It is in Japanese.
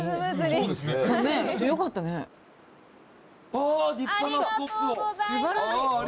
ありがとうございます！